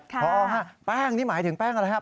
พอฮะแป้งนี่หมายถึงแป้งอะไรครับ